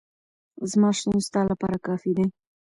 زما شتون ستا لپاره کافي دی.